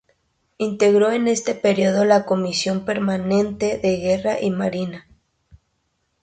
Integró en este período la comisión permanente de Guerra y Marina.